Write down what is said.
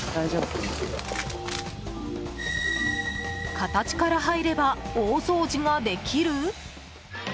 形から入れば大掃除ができる？